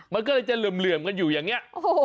มันก็เลยจะเหลื่อมกันอยู่อย่างนี้